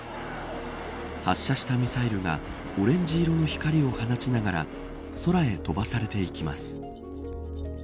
発射したミサイルがオレンジ色の光を放ちながら空へ飛ばされていきます。